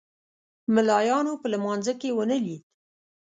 ملایانو په لمانځه کې ونه لید.